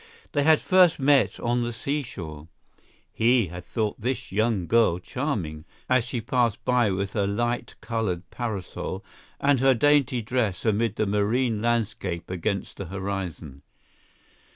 They had first met on the sea shore. He had thought this young girl charming, as she passed by with her light colored parasol and her dainty dress amid the marine landscape against the horizon.